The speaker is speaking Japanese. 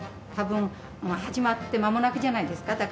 たぶん始まってまもなくじゃないですか。